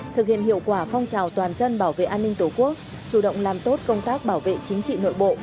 thực hiện hiệu quả phong trào toàn dân bảo vệ an ninh tổ quốc chủ động làm tốt công tác bảo vệ chính trị nội bộ